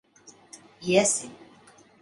Iesim.